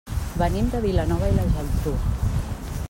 Venim de Vilanova i la Geltrú.